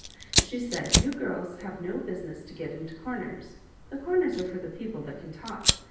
She said, "You giris have no busi ness to get into comers. The comers are for the people that can talk.